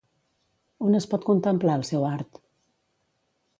On es pot contemplar el seu art?